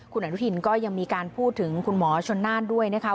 คุณอนุทินก็ยังมีการพูดถึงคุณหมอชนน่านด้วยนะคะ